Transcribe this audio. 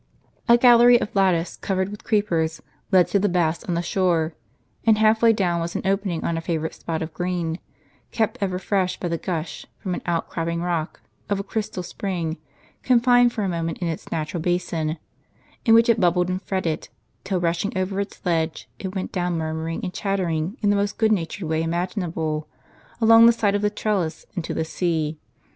A gallery of lattice, covered with creepers, led to the baths on the shore ; and half way down was an opening on a favorite spot of green, kept ever fresh by the gush, from an out cropping rock, of a crystal spring, confined for a moment in a natural basin, in which it bubbled and fretted, till, rushing over its ledge, it went down murmuring and chattering, in the most good natured way imaginable, along the side of the trellis, into the sea.